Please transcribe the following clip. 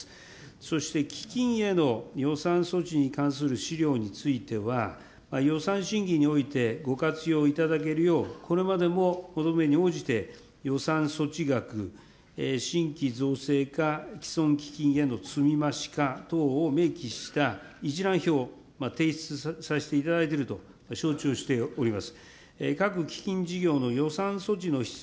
そして基金への予算措置に関する資料については、予算審議においてご活用いただけるよう、これまでもこのに応じて予算措置額、新規造成か、既存基金への積み増しか等を明記した一覧表を提出させていただいていると承知をしております。